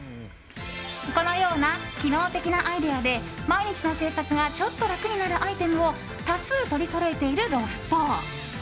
このような機能的なアイデアで毎日の生活がちょっと楽になるアイテムを多数取りそろえているロフト。